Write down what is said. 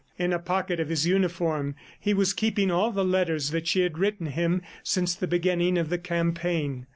In a pocket of his uniform, he was keeping all the letters that she had written him since the beginning of the campaign.